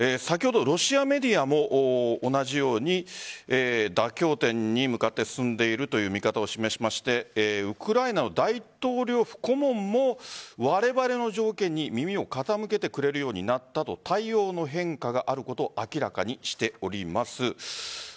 先ほどロシアメディアも同じように妥協点に向かって進んでいるという見方を示しましてウクライナの大統領府顧問もわれわれの条件に耳を傾けてくれるようになったと対応の変化があることを明らかにしております。